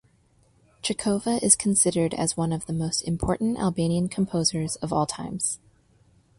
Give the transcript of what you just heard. Jakova is considered as one of the most important Albanian composers of all times.